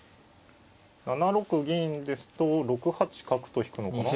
７六銀ですと６八角と引くのかな。